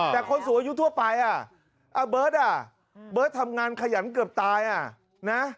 แต่คนสูงอายุทั่วไปเบิร์ตอ่ะเบิร์ตทำงานขยันเกือบตายอ่ะนะ